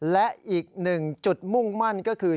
และอีกหนึ่งจุดมุ่งมั่นก็คือ